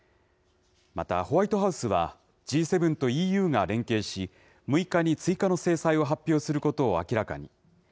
またホワイトハウスは、Ｇ７とＥＵが連携し、６日に追加の制裁を発表することを明らかに。